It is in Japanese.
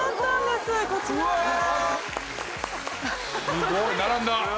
すごい並んだ！